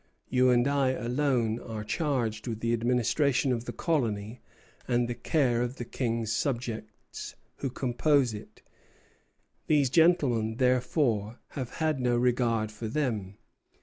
You and I alone are charged with the administration of the colony and the care of the King's subjects who compose it. These gentlemen, therefore, have had no regard for them.